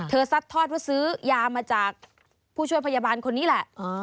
ซัดทอดว่าซื้อยามาจากผู้ช่วยพยาบาลคนนี้แหละ